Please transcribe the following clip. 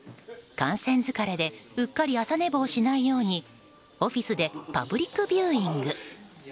観戦疲れでうっかり朝寝坊しないようにオフィスでパブリックビューイング。